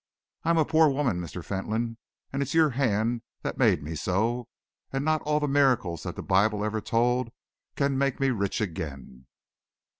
I am a poor woman, Mr. Fentolin, and it's your hand that made me so, and not all the miracles that the Bible ever told of can make me rich again."